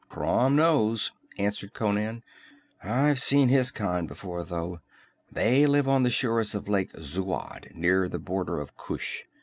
"Crom knows!" answered Conan. "I've seen his kind before, though. They live on the shores of Lake Zuad, near the border of Kush.